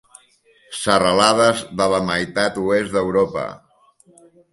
Serralades de la meitat oest d'Europa.